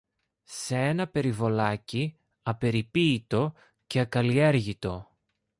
Σ' ένα περιβολάκι απεριποίητο και ακαλλιέργητο